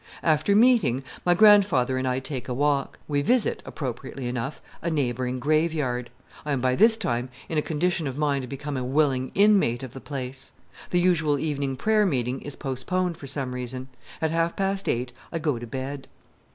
After meeting, my grandfather and I take a walk. We visit appropriately enough a neighboring graveyard. I am by this time in a condition of mind to become a willing inmate of the place. The usual evening prayer meeting is postponed for some reason. At half past eight I go to bed.